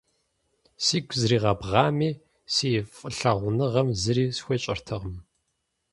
Сигу зригъэбгъами, си фӏылъагъуныгъэм зыри схуещӏэртэкъым.